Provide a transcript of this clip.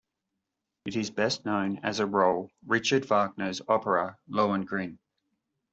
It is best known as a role Richard Wagner's opera "Lohengrin".